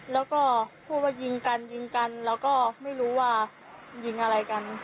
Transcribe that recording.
แล้วก็พูดว่ายิงกันยิงกันแล้วก็ไม่รู้ว่ายิงอะไรกัน